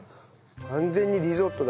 完全にリゾットだ。